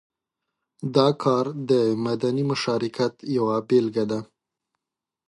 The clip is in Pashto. دا کار د مدني مشارکت یوه بېلګه ده.